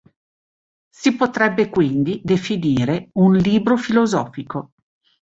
Si potrebbe quindi definire un libro filosofico.